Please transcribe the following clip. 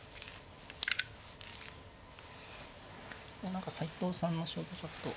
何か斎藤さんの将棋ちょっと。